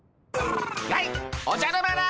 やいおじゃる丸！